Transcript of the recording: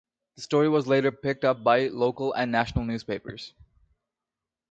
The story was later picked up by local and national newspapers.